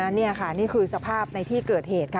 นี่ค่ะนี่คือสภาพในที่เกิดเหตุค่ะ